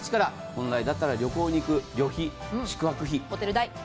本来だったら旅行に行く旅費、宿泊費。